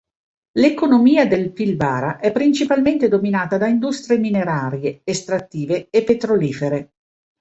L'economia del Pilbara è principalmente dominata da industrie minerarie, estrattive e petrolifere.